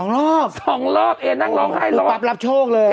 รอบ๒รอบเอนั่งร้องไห้รอบรับโชคเลย